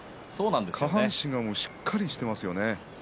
下半身がしっかりしています。